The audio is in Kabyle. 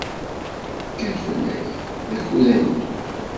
Kker fell-ak, d akud ad neddu.